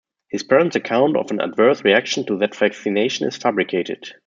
His parents' account of an adverse reaction to that vaccination is fabricated.